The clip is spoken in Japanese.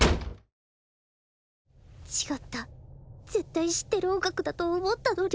違った絶対知ってる音楽だと思ったのに